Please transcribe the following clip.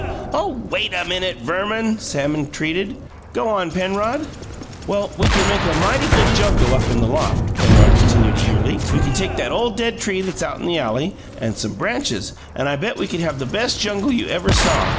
"Oh, WAIT a minute, Verman!" Sam entreated. "Go on, Penrod." "Well, we can make a mighty good jungle up in the loft," Penrod continued eagerly. "We can take that ole dead tree that's out in the alley and some branches, and I bet we could have the best jungle you ever saw.